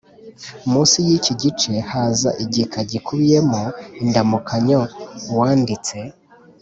Munsi y iki gice haza igika gikubiyemo indamukanyo uwanditse